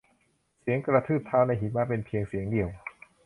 เสียงกระทืบเท้าในหิมะเป็นเป็นเพียงเสียงเดียว